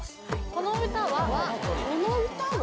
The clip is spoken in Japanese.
この歌は・この歌は？